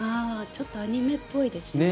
ちょっとアニメっぽいですね。